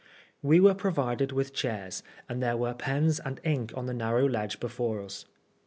We were provided with chairs, and there were pens and ink on the narrow ledee before us.